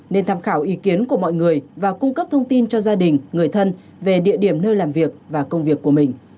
nên tham khảo ý kiến của mọi người và cung cấp thông tin cho gia đình người thân về địa điểm nơi làm việc và công việc của mình